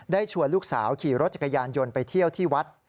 ชวนลูกสาวขี่รถจักรยานยนต์ไปเที่ยวที่วัด